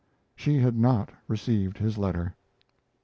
She had not received his letter.